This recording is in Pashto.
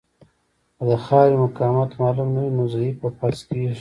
که د خاورې مقاومت معلوم نه وي نو ضعیفه فرض کیږي